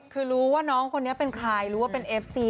คือรู้ว่าน้องคนนี้เป็นใครรู้ว่าเป็นเอฟซี